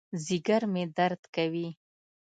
ځېګر مې درد کوي